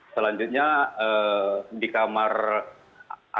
selanjutnya di kamar anaknya